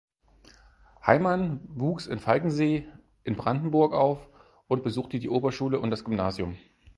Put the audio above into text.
Heimann wuchs in Falkensee in Brandenburg auf und besuchte die Oberschule und das Gymnasium.